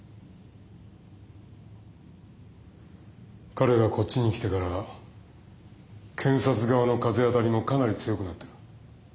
彼がこっちに来てから検察側の風当たりもかなり強くなってる。